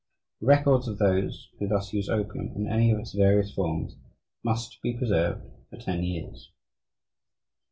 The records of those who thus use opium in any of its various forms must be preserved for ten years.